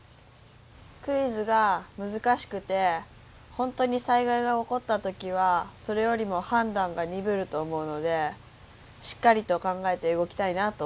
クイズが難しくて本当に災害が起こった時はそれよりも判断が鈍ると思うのでしっかりと考えて動きたいなと思いました。